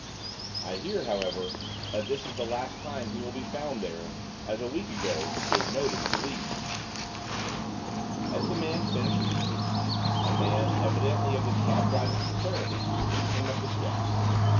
"I hear however, that this is the last time he will be found there, as a week ago he gave notice to leave." AN OLD GENTLEMAN WRITING. As the man finished speaking, a man, evidently of the cab driving fraternity, came up the steps.